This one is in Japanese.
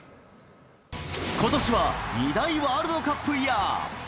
ことしは２大ワールドカップイヤー。